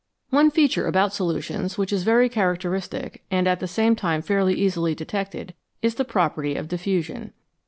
One feature about solutions which is very characteristic, and at the same time fairly easily detected, is the property of diffusion.